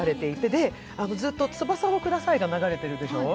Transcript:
で、ずっと「翼をください」が流れているでしょう？